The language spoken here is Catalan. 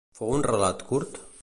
Fou un relat curt?